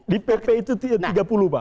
di pp itu yang tiga puluh pak